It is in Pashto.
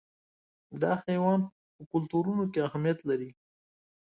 دا حیوان په کلتورونو کې اهمیت لري.